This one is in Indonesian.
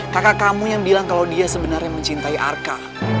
kakak kamu yang bilang kalau dia sebenarnya mencintai arka